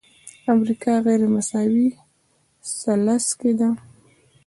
امریکا غیرمساوي ثلث کې ده.